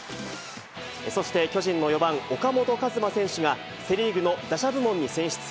そして巨人の４番岡本和真選手が、セ・リーグの打者部門に選出。